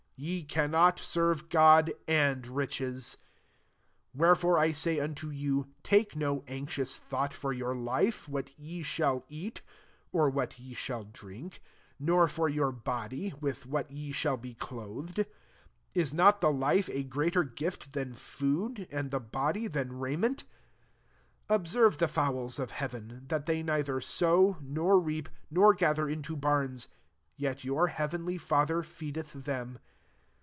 Ye cannot serve God and Riches. 25 Where fore I say unto you, Take no anxious thought for your life, what ye shall eat, [or what ye shall drink j] nor for your body, with what ye shall be clothed« Is not the life a greater gUt than food ; and the body than raiment ? 26 Observe the fowls of heaven ; that they neither sow, nor reap, tior gather into barns ; yet your heavenly Fa ther feedeth them.